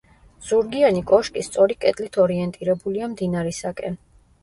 ზურგიანი კოშკი სწორი კედლით ორიენტირებულია მდინარისაკენ.